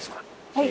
はい。